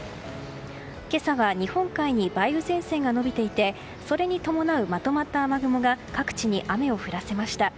今朝は日本海に梅雨前線が延びていてそれに伴うまとまった雨雲が各地に雨を降らせました。